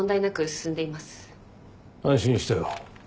安心したよ。